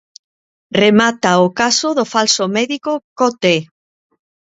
Remata o caso do falso médico Coté.